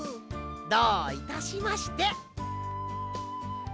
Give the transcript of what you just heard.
どういたしまして。